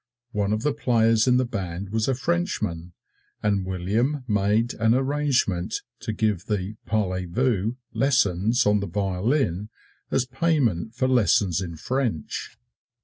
One of the players in the band was a Frenchman, and William made an arrangement to give the "parlez vous" lessons on the violin as payment for lessons in French.